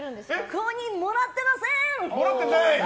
公認もらってませーん！